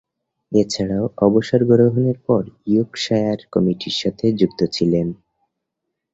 এছাড়াও, অবসর গ্রহণের পর ইয়র্কশায়ার কমিটির সাথে যুক্ত ছিলেন।